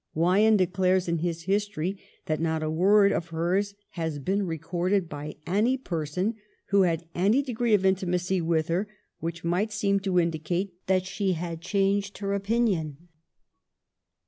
Wyon declares in his history that ' not a word "of hers has been recorded by any person who had any degree of intimacy with her which might seem to indicate that she had changed her opinion.'